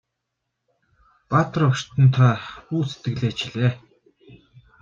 Баатар багштан та бүү сэтгэлээ чилээ!